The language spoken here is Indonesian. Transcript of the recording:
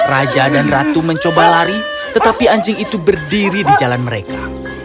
raja dan ratu mencoba lari tetapi anjing itu berdiri di jalan mereka